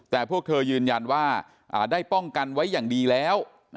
แต่พวกเธอยืนยันว่าได้ป้องกันไว้อย่างดีแล้ว